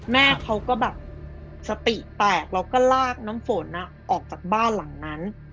แม่เขาก็แบบสติแตกแล้วก็ลากน้ำฝนออกจากบ้านหลังนั้น